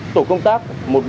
tổ công tác một trăm bốn mươi một